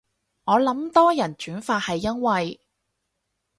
我諗多人轉發係因為